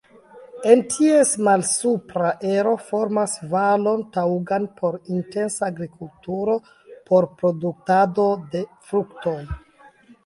En ties malsupra ero formas valon taŭgan por intensa agrikulturo por produktado de fruktoj.